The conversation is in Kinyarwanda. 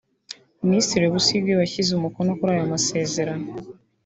Minisitiri Busingye washyize umukono kuri aya masezerano